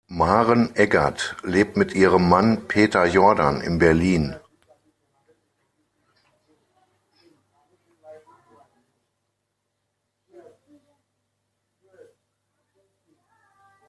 Maren Eggert lebt mit ihrem Mann Peter Jordan in Berlin.